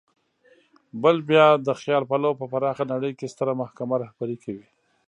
بل بیا د خیال پلو په پراخه نړۍ کې ستره محکمه رهبري کوي.